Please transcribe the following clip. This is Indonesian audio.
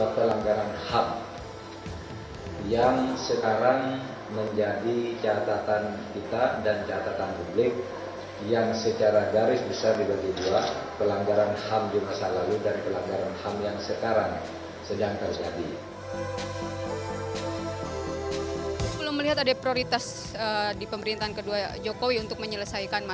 pelanggaran ham di era jokowi